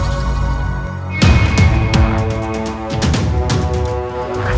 nyai kurwita yang akan berkutukmu